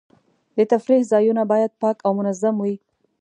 د تفریح ځایونه باید پاک او منظم وي.